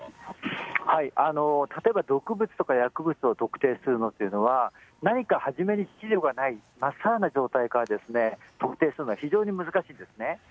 例えば毒物とか薬物を特定するのっていうのは、何か初めにがない、まっさらな状態から特定するのは非常に難しいんですね。